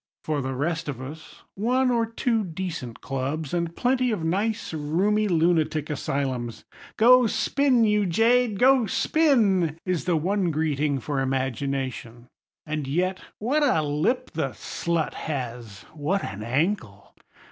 For the rest of us, one or two decent clubs, and plenty of nice roomy lunatic asylums. "Go spin, you jade, go spin!" is the one greeting for Imagination. And yet—what a lip the slut has! What an ankle!